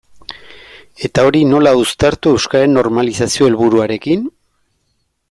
Eta hori nola uztartu euskararen normalizazio helburuarekin?